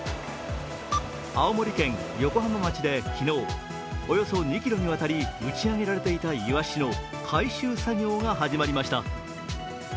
青森県横浜町で昨日およそ２ｋｍにわたり打ち上げられていたイワシの回収作業が始まりました。